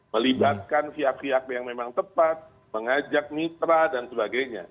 melibatkan pihak pihak yang memang tepat mengajak mitra dan sebagainya